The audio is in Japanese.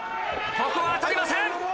ここは当たりません。